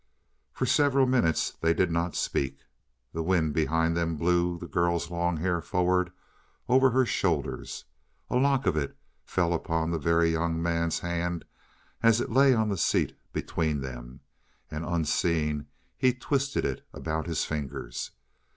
For several minutes they did not speak. The wind behind them blew the girl's long hair forward over her shoulders. A lock of it fell upon the Very Young Man's hand as it lay on the seat between them, and unseen he twisted it about his fingers.